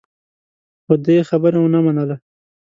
خو دې يې خبره ونه منله.